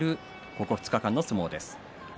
ここ２日間の相撲です。